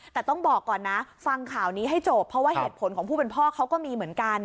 แต่ต้องบอกก่อนนะฟังข่าวนี้ให้จบเพราะว่าเหตุผลของผู้เป็นพ่อเขาก็มีเหมือนกัน